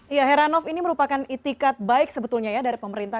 ya heranov ini merupakan itikat baik sebetulnya ya dari pemerintah